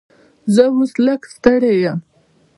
زه اوس لږ ستړی یم.